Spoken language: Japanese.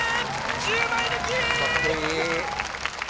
１０枚抜き！